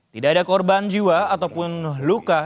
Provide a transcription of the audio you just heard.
tidak ada korban jiwa ataupun luka